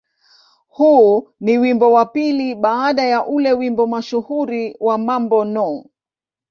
Huu ni wimbo wa pili baada ya ule wimbo mashuhuri wa "Mambo No.